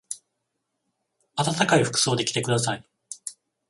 あたたかい服装で来てください。